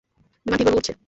বিমান ঠিকভাবে উড়ছে।